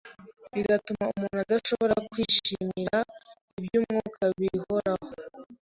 bigatuma umuntu adashobora kwishimira iby’umwuka bihoraho